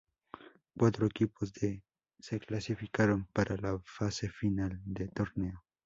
Cuatro equipos se clasificaron para la fase final de torneo.